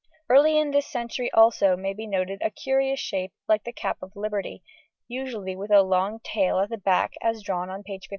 Early in this century also may be noted a curious shape like the cap of liberty, usually with a long tail at the back as drawn on page 59.